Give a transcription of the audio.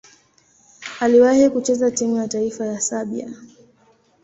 Aliwahi kucheza timu ya taifa ya Serbia.